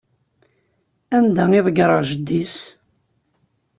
Anda i ḍeggreɣ jeddi-s?